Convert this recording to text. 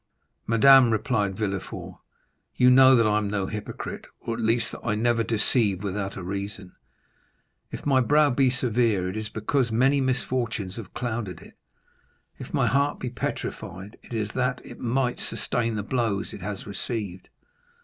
"Madame," replied Villefort, "you know that I am no hypocrite, or, at least, that I never deceive without a reason. If my brow be severe, it is because many misfortunes have clouded it; if my heart be petrified, it is that it might sustain the blows it has received.